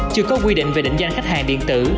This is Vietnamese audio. chưa có quy định về định danh khách hàng điện tử